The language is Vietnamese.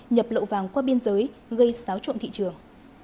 nhập lậu vàng qua biên giới gây xáo trộn thị trường